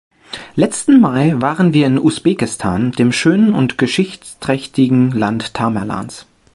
Letzten Mai waren wir in Usbekistan, dem schönen und geschichtsträchtigen Land Tamerlans.